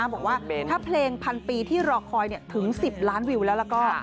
บอกว่าถ้าเพลงพันปีที่รอคอยถึง๑๐ล้านวิวแล้วแล้วก็